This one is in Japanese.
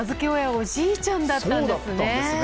おじいちゃんだったんですね。